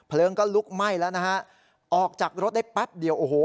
ก็ลุกไหม้แล้วนะฮะออกจากรถได้แป๊บเดียวโอ้โห